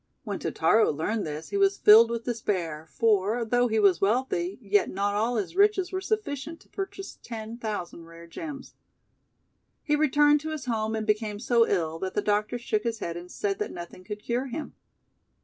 When Totaro learned this he was filled with despair, for, though he was wealthy, yet not all his riches were sufficient to purchase ten thou sand rare gems. He returned to his home, and became so ill, that the doctor shook his head and said that nothing could cure him.